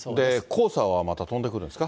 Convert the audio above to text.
黄砂はまた飛んでくるんですか。